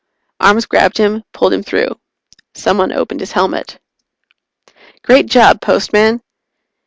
Arms grabbed him, pulled him through. Someone opened his helmet. "Great job, Postman!"